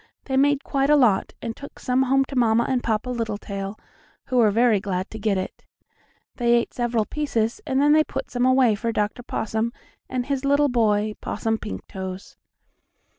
They made quite a lot, and took some home to Mamma and Papa Littletail, who were very glad to get it. They ate several pieces, and then put some away for Dr. Possum, and his little boy, Possum Pinktoes.